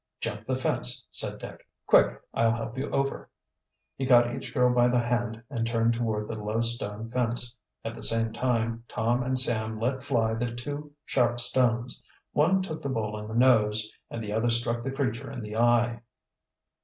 "Jump the fence!" said Dick. "Quick, I'll help you over!" He caught each girl by the hand and turned toward the low stone fence. At the same time Tom and Sam let fly the two sharp stones. One took the bull in the nose and the other struck the creature in the eye.